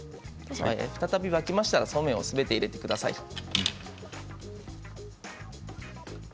再び沸きましたら、そうめんをすべて入れてください。